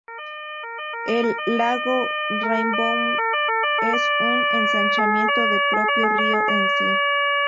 El lago Rainbow es un ensanchamiento del propio río en sí.